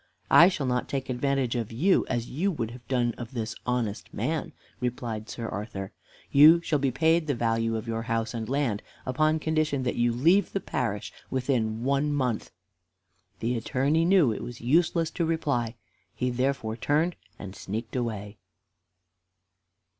"I shall not take advantage of you as you would have done of this honest man," replied Sir Arthur. "You shall be paid the value of your house and land upon condition that you leave the parish within one month." The Attorney knew it was useless to reply. He therefore turned and sneaked away.